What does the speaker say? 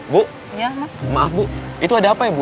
bu maaf bu itu ada apa ya bu